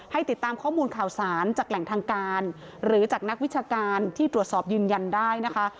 ติดตามข้อมูลข่าวสารจากแหล่งทางการหรือจากนักวิชาการที่ตรวจสอบยืนยันได้นะคะ